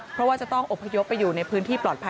เพราะว่าจะต้องอบพยพไปอยู่ในพื้นที่ปลอดภัย